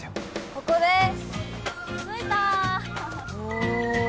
ここです！